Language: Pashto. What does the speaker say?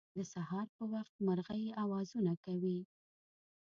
د سهار په وخت مرغۍ اوازونه کوی